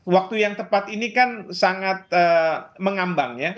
waktu yang tepat ini kan sangat mengambang ya